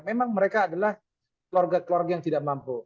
memang mereka adalah keluarga keluarga yang tidak mampu